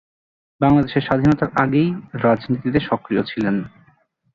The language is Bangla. বাংলাদেশের স্বাধীনতার আগেই রাজনীতিতে সক্রিয় ছিলেন।